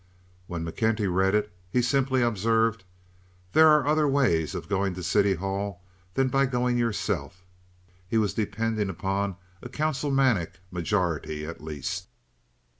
When McKenty read it he simply observed: "There are other ways of going to City Hall than by going yourself." He was depending upon a councilmanic majority at least.